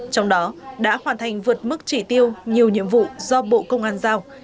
trong đó đã hoàn thành vượt mức chỉ tiêu nhiều nhiệm vụ do bộ công an giao